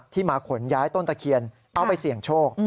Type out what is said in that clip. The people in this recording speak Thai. มาขนย้ายต้นตะเคียนเอาไปเสี่ยงโชค